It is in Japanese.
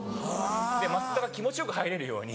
で増田が気持ちよく入れるように。